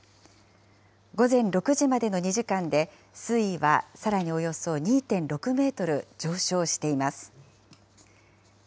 午前６時までの２時間で、水位はさらにおよそ２．６メートル上昇しています。